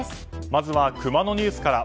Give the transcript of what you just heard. まずはクマのニュースから。